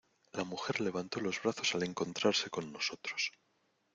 la mujer levantó los brazos al encontrarse con nosotros: